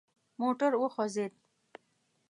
موټر وخوځید.